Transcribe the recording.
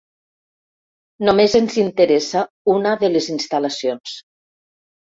Només ens interessa una de les instal·lacions.